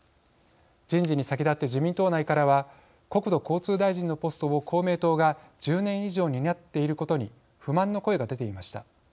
人事に先立って自民党内からは国土交通大臣のポストを公明党が１０年以上担っていることに不満の声が出ていました。